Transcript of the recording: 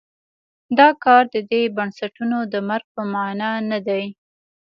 دا کار د دې بنسټونو د مرګ په معنا نه دی.